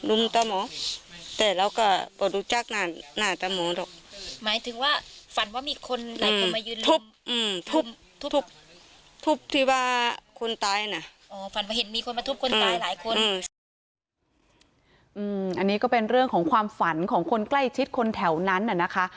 อันนี้ก็เป็นเรื่องของความฝันของคนใกล้ชิดคนแถวนั้นน่ะนะคะ